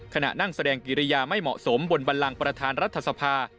ขณะนั่งแสดงกิริยาไม่เหมาะสมบนบันลังประธานรัฐสภา